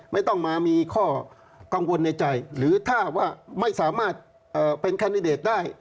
ไม่ต้องมามีข้อกังวลในใจหรือถ้าว่าไม่สามารถเป็นแคนดิเดตได้